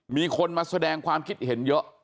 มีคนมาแสดงความคิดเห็นเยอะ